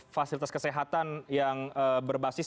fasilitas kesehatan yang berbasis